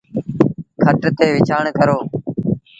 کٽ تي وڇآݩ ڪرو۔